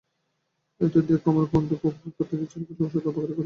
এই তো দাখো পরাণ আমার বন্ধু, উপকার করতে গিয়ে চিরকাল শুধু অপকারই করেছি।